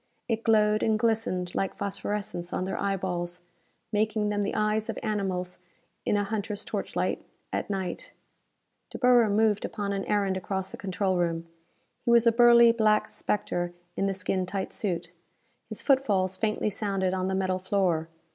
It glowed and glistened like phosphorescence on their eyeballs, making them the eyes of animals in a hunter's torchlight, at night. De Boer moved upon an errand across the control room. He was a burly black spectre in the skin tight suit. His footfalls faintly sounded on the metal floor.